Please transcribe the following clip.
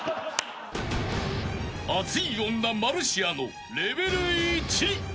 ［熱い女マルシアのレベル１］